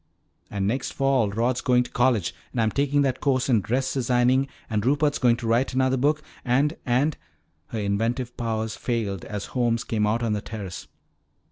And next fall Rod's going to college and I'm taking that course in dress designing and Rupert's going to write another book and and " Her inventive powers failed as Holmes came out on the terrace.